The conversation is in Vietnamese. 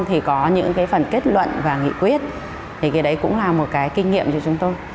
thì có những cái phần kết luận và nghị quyết thì cái đấy cũng là một cái kinh nghiệm cho chúng tôi